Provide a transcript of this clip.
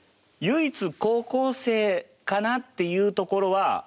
唯一高校生かなというところは。